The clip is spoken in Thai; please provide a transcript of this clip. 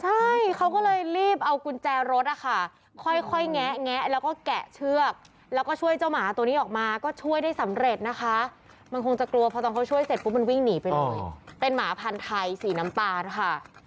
ใช่เขาก็เลยรีบเอากุญแจรถนะคะค่อยแงะแงะแล้วก็แกะเชือกแล้วก็ช่วยเจ้าหมาตัวนี้ออกมาก็ช่วยได้สำเร็จนะคะมันคงจะกลัวพอตอนเขาช่วยเสร็จปุ๊บมันวิ่งหนีไปเลยเป็นหมาพันธุ์ไทยสีน้ำตาลค่ะ